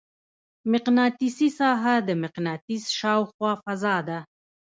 مقناطیسي ساحه د مقناطیس شاوخوا فضا ده.